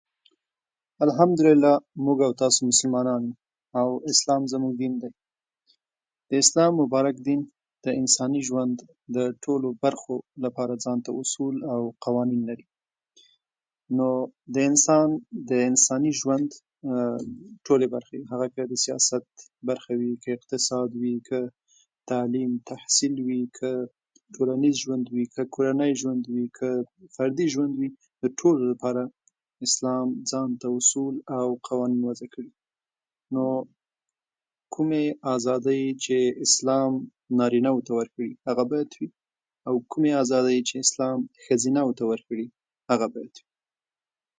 الحمدلله، موږ او تاسې مسلمانان یو، او اسلام زموږ دین دی. اسلام مبارک دین د انساني ژوند د ټولو برخو لپاره اصول او قوانین لري. نو د انسان د انساني ژوند ټولې برخې، هغه که د سیاست برخه وي، که اقتصادي وي، که تعلیم او تحصیل وي، که ټولنیز ژوند وي، که کورنی ژوند وي، که فردي ژوند وي، د ټولو لپاره اسلام ځانته اصول او قوانین وضع کړي. نو کومې ازادۍ چې اسلام نارینه وو ته ورکړي، هغه باید وي، او کومې ازادۍ چې اسلام ښځینه وو ته ورکړي، هغه باید وي.